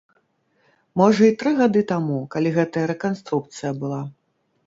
Можа, і тры гады таму, калі гэтая рэканструкцыя была.